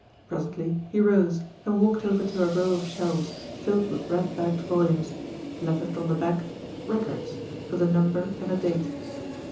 Presently he rose, and walked over to a row of shelves filled with red backed volumes, lettered on the back "Records," with a number and a date.